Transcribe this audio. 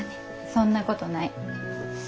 そんなことない。